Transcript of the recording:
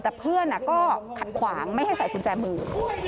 สิ่งหน้าก็ขัดขวางไม่ให้ใส่กุญแจมือ